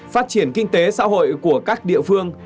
phát triển kinh tế xã hội của các địa phương